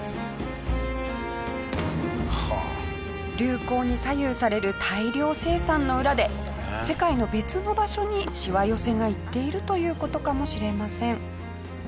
流行に左右される大量生産の裏で世界の別の場所にしわ寄せがいっているという事かもしれません。